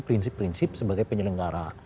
prinsip prinsip sebagai penyelenggara